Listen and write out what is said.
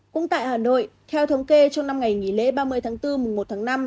cũng tại hà nội theo thống kê trong năm ngày nghỉ lễ ba mươi tháng bốn mùng một tháng năm